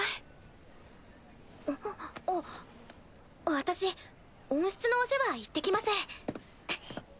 私温室のお世話行ってきます。